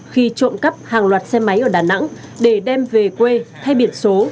khi trộm cắp hàng loạt xe máy ở đà nẵng để đem về quê thay biển số